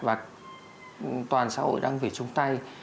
và toàn xã hội đang phải chung tay